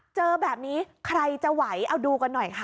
เจอแบบนี้ใครจะไหวเอาดูกันหน่อยค่ะ